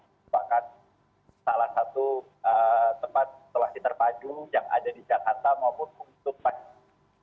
merupakan salah satu tempat telah diterpaju yang ada di jakarta maupun punggung jawa